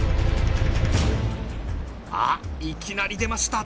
あっいきなり出ました！